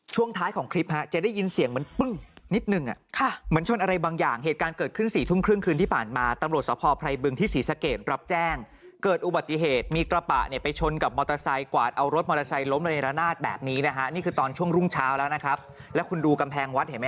ช่วงท้ายของคลิปฮะจะได้ยินเสียงเหมือนปึ้งนิดนึงอ่ะค่ะเหมือนชนอะไรบางอย่างเหตุการณ์เกิดขึ้นสี่ทุ่มครึ่งคืนที่ผ่านมาตำรวจสภไรบึงที่ศรีสะเกดรับแจ้งเกิดอุบัติเหตุมีกระบะเนี่ยไปชนกับมอเตอร์ไซค์กวาดเอารถมอเตอร์ไซค์ล้มระเนรนาศแบบนี้นะฮะนี่คือตอนช่วงรุ่งเช้าแล้วนะครับแล้วคุณดูกำแพงวัดเห็นไหม